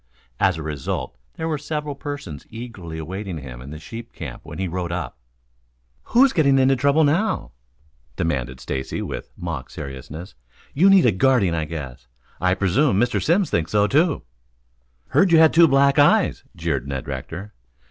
As a result there were several persons eagerly awaiting him in the sheep camp when he rode up. "Who's getting into trouble now?" demanded Stacy, with mock seriousness. "You need a guardian, I guess. I presume Mr. Simms thinks so, too." "Heard you had two black eyes," jeered Ned Rector.